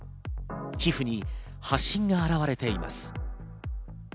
皮膚に発疹が現れています。